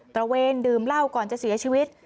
ระเวนดื่มเหล้าก่อนจะเสียชีวิต